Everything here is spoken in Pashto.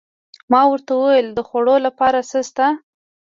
ما ورته وویل: د خوړو لپاره څه شته؟